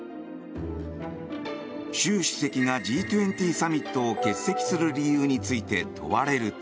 習主席がＧ２０サミットを欠席する理由について問われると。